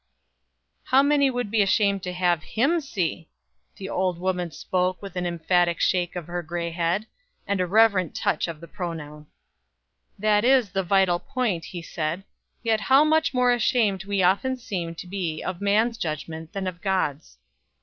"How many would be ashamed to have Him see?" The old woman spoke with an emphatic shake of her gray head, and a reverent touch of he pronoun. "That is the vital point," he said. "Yet how much more ashamed we often seem to be of man's judgment than of God's."